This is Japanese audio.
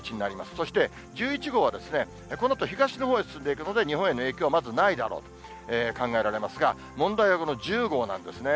そして１１号は、このあと東のほうへ進んでいくので、日本への影響は、まずないだろうと考えられますが、問題は、この１０号なんですね。